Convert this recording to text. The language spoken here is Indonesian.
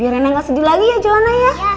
biar rena nggak sedih lagi ya johana ya